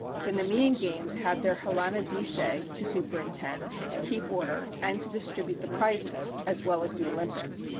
The Nemean games had their Hellanodicæ to superintend, to keep order, and to distribute the prizes, as well as the Olympic.